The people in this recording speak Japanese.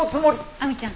亜美ちゃん。